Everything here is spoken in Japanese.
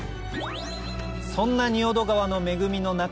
そんな仁淀川の恵みの中